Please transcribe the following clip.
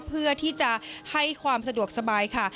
เพื่อที่จะให้ความสะดวกสบายค่ะ